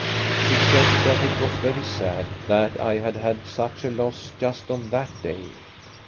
" She said that it was very sad that I had had such a loss just on that day.